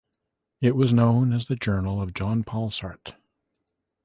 It was known as the journal of Jean-Paul Sartre.